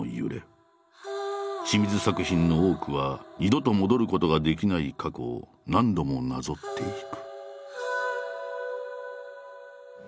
清水作品の多くは二度と戻ることができない過去を何度もなぞっていく。